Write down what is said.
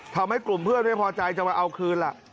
ทำให้กลุ่มเพื่อนไม่พอใจจะมาเอาคืนล่ะ